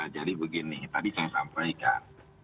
jadi begini tadi saya sampaikan